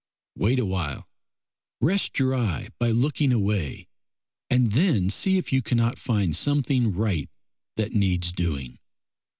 Wait awhile, rest your eye by looking away, and then see if you cannot find something right that needs doing.